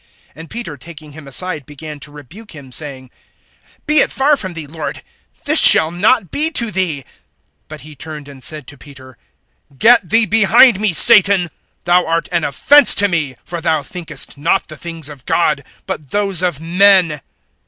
(22)And Peter taking him aside began to rebuke him, saying: Be it far from thee, Lord; this shall not be to thee. (23)But he turned and said to Peter: Get thee behind me, Satan[16:23]; thou art an offense to me; for thou thinkest not the things of God, but those of men.